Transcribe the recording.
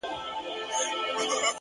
ښه اخلاق اوږده یادونه پرېږدي،